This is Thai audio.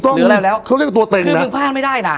ดูแล้วแล้วเขาเรียกตัวเต็มนะ